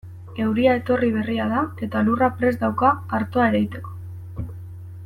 Euria etorri berria da eta lurra prest dauka artoa ereiteko.